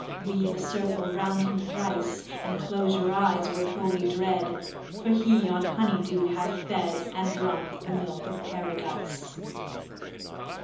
50 Weave a circle round him thrice, And close your eyes with holy dread, For he on honey dew hath fed, And drunk the milk of Paradise.